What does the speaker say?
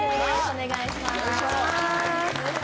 お願いします